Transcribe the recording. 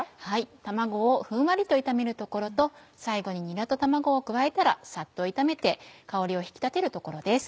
卵をふんわりと炒めるところと最後ににらと卵を加えたらサッと炒めて香りを引き立てるところです。